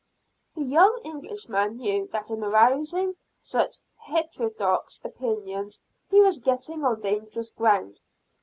The young Englishman knew that in arousing such heterodox opinions he was getting on dangerous ground.